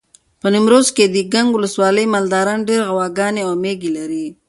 په نیمروز کې د کنگ ولسوالۍ مالداران ډېر غواګانې او مېږې لري.